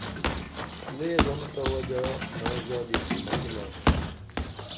لے غم تہ وجا مائی زادی پھٹہ کِناتا